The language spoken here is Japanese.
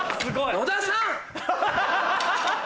野田さん！